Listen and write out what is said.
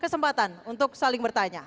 kesempatan untuk saling bertanya